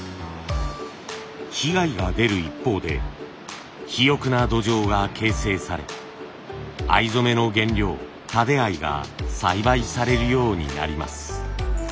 被害が出る一方で肥沃な土壌が形成され藍染めの原料タデアイが栽培されるようになります。